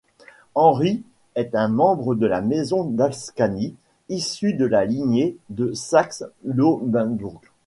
Henri est un membre de la maison d'Ascanie, issu de la lignée de Saxe-Lauenbourg.